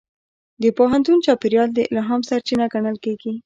د پوهنتون چاپېریال د الهام سرچینه ګڼل کېږي.